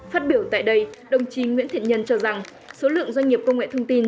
phát biểu tại đây đồng chí nguyễn thiện nhân cho rằng số lượng doanh nghiệp công nghệ thông tin